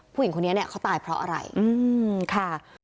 ผู้หญิงคนนี้เนี่ยเขาตายเพราะอะไรค่ะ